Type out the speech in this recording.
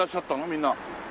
みんな。